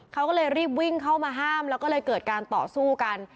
เขาก็เลยรีบวิ่งเข้ามาห้ามแล้วก็เลยเกิดการต่อสู้กัน